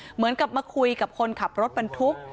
เหมือนกับมาคุยกับคนขับรถบรรทุก